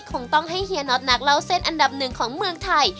คงต้องให้เฮียน็อตนักเล่าเส้นอันดับหนึ่งของเมืองไทย